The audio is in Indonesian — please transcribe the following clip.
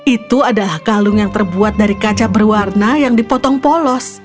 itu adalah kalung yang terbuat dari kaca berwarna yang dipotong polos